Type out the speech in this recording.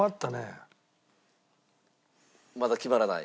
まだ決まらない？